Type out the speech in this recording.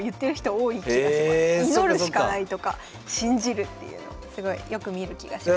「祈るしかない」とか「信じる」っていうのをすごいよく見る気がしますね。